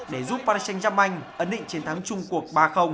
để giúp paris saint germain ấn định chiến thắng chung cuộc ba